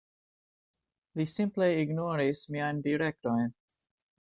Li simple ignoris miajn direktojn.